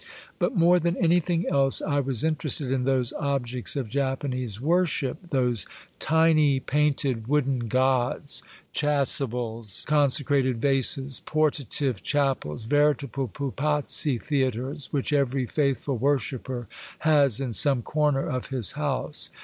But more than anything else I was interested in those objects of Japanese worship, those tiny, painted, wooden gods, chasubles, consecrated vases, portative chapels, veritable pupazzi theatres, which every faithful worshipper has in some corner of his house.